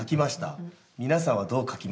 皆さんはどう書きますか？